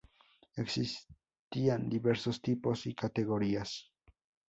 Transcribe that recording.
Existían diversos tipos y categorías.